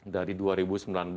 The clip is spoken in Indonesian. dari dua ribu sembilan belas